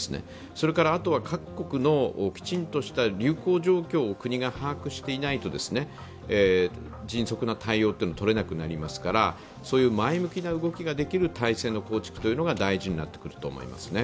それからあとは各国のきちんとした流行状況を国が把握してないと迅速な対応はとれなくなりますから、前向きな動きができる体制の構築が大事になってくると思います。